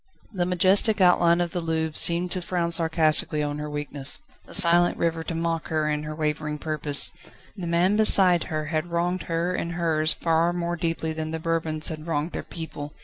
The majestic outline of the Louvre seemed to frown sarcastically on her weakness, the silent river to mock her and her wavering purpose. The man beside her had wronged her and hers far more deeply than the Bourbons had wronged their people.